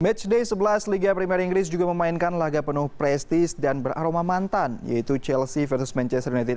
matchday sebelas liga primer inggris juga memainkan laga penuh prestis dan beraroma mantan yaitu chelsea versus manchester united